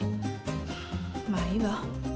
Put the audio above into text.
ふぅまあいいわ。